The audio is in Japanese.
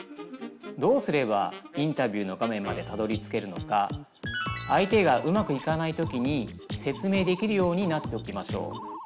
どうすればインタビューの画面までたどりつけるのか相手がうまくいかない時に説明できるようになっておきましょう。